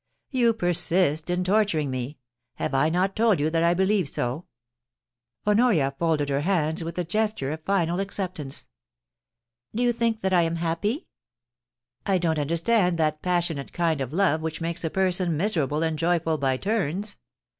' You persist in torturing me ... Have I not told you that I believe so ?* Honoria folded her hands with a gesture of final accept ance. ' Do you think that I am happy ?I don't understand that passionate kind of love which makes a person miserable and joyful by turns.